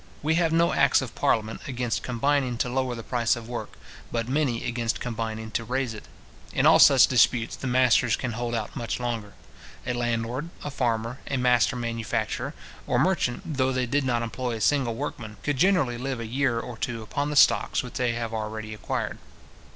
We have no acts of parliament against combining to lower the price of work, but many against combining to raise it. In all such disputes, the masters can hold out much longer. A landlord, a farmer, a master manufacturer, or merchant, though they did not employ a single workman, could generally live a year or two upon the stocks, which they have already acquired.